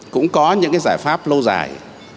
cũng có những cái giải pháp lâu dài